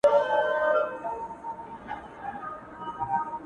زه يم له تا نه مروره نور بــه نـه درځمـــه~